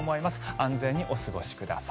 安全にお過ごしください。